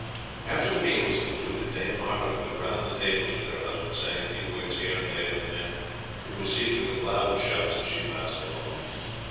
After the meal was concluded Dame Margaret went round the tables with her husband, saying a few words here and there to the men, who received her with loud shouts as she passed along.